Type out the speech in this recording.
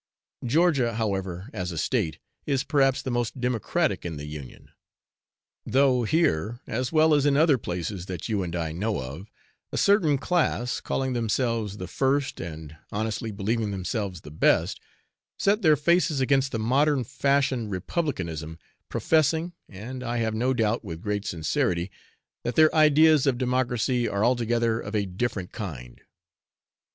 Georgia, however, as a state, is perhaps the most democratic in the Union; though here, as well as in other places, that you and I know of, a certain class, calling themselves the first, and honestly believing themselves the best, set their faces against the modern fashioned republicanism, professing, and, I have no doubt, with great sincerity, that their ideas of democracy are altogether of a different kind.